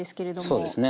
そうですね。